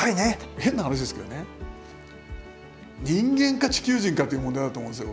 変な話ですけどね人間か地球人かっていう問題だと思うんですよ